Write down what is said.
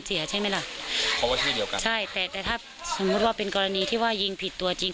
ใช่แต่ถ้าสมมุติว่าเป็นกรณีที่ว่ายิงผิดตัวจริง